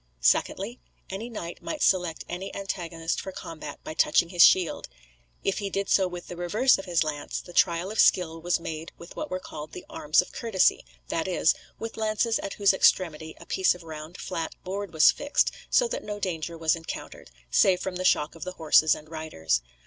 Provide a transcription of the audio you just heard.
Secondly: Any knight might select any antagonist for combat by touching his shield. If he did so with the reverse of his lance, the trial of skill was made with what were called the arms of courtesy, that is, with lances at whose extremity a piece of round flat board was fixed, so that no danger was encountered, save from the shock of the horses and riders.